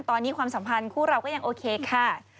ตอนนี้ความสัมพันธ์คู่เราก็ยังโอเคค่ะ